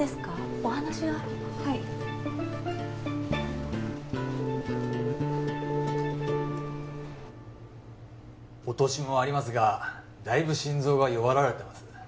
お話がはいお年もありますがだいぶ心臓が弱られてます